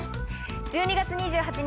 １２月２８日